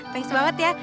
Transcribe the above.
thanks banget ya